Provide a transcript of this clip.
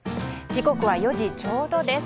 時刻は４時ちょうどです。